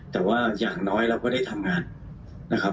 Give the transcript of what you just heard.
แต่ว่าอย่างน้อยเราก็ได้ทำงานนะครับ